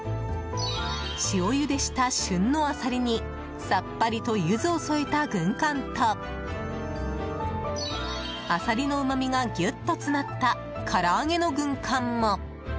塩ゆでした旬のアサリにさっぱりとユズを添えた軍艦とアサリのうまみがギュッと詰まった唐揚げの軍艦も。